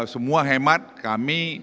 semua hemat kami